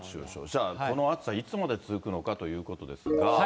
じゃあ、この暑さ、いつまで続くのかということですが。